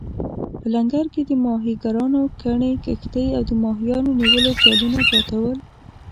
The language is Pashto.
په لنګر کې د ماهیګیرانو ګڼې کښتۍ او د ماهیانو نیولو جالونه پراته ول.